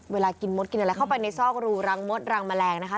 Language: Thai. เวลากินมดกินอะไรเข้าไปในซอกรูรังมดรังแมลงนะคะ